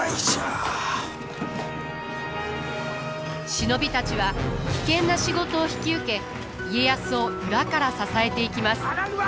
忍びたちは危険な仕事を引き受け家康を裏から支えていきます。